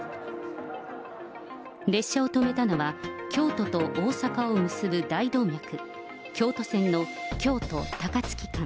列車を止めたのは、京都と大阪を結ぶ大動脈、京都線の京都・高槻間。